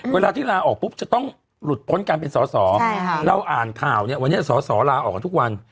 เวลาที่ลาออกปุ๊บจะต้องหลุดพ้นการเป็นสอสอเราอ่านข่าวเนี่ยวันนี้สอสอลาออกทุกวัน